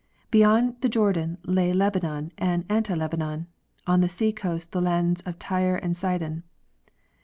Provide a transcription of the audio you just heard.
Beyond the Jordan lay Lebanon and Anti lebanon; on the sea coast the land of Tyre and Sidon.